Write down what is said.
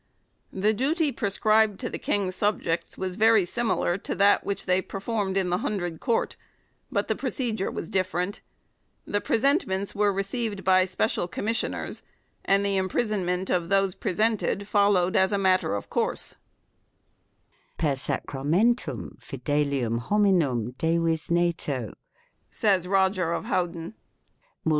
The duty pre scribed to the King's subjects was very similar to that which they performed in the hundred court, 1 but the procedure was different. The presentments were re ceived by special commissioners, and the imprisonment of those presented followed as a matter of course : "per sacramentum fidelium hominum de visneto," says Roger of Howden, 2 "multos ceperunt et car ceribus regis incluserunt."